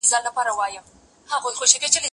زه اوږده وخت سړو ته خواړه ورکوم؟!